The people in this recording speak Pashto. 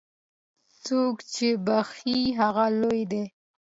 څوک چې بخښي، هغه لوی دی.